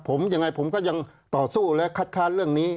ผมยังไงผมก็ยังต่อสู้และคัดค้านเรื่องนี้